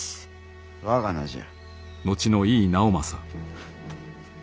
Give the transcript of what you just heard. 我が名じゃ」。